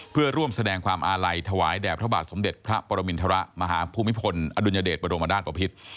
เพื่อร่วมแสดงความอาลัยถวายแด่พระบาทสมเด็จพระปรมินทรมาฮภูมิพลอดุลยเดชบรมนาศปภิษ